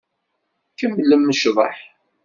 Kemmlem ccḍeḥ.